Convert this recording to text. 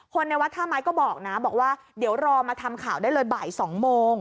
ในวัดท่าไม้ก็บอกนะบอกว่าเดี๋ยวรอมาทำข่าวได้เลยบ่าย๒โมง